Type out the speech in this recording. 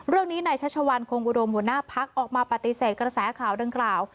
เรื่องนี้นายชัชวัลคงอุดมหัวหน้าพักออกมาปฏิเสธกระแสข่าวดังกล่าว